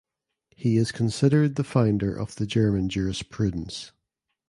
He is considered the founder of the German jurisprudence.